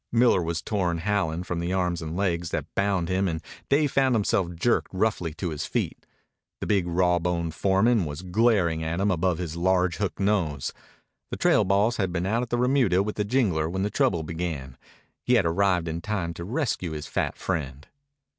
Miller was torn howling from the arms and legs that bound him and Dave found himself jerked roughly to his feet. The big raw boned foreman was glaring at him above his large hook nose. The trail boss had been out at the remuda with the jingler when the trouble began. He had arrived in time to rescue his fat friend.